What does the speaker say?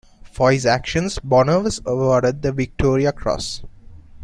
For his actions, Bonner was awarded the Victoria Cross.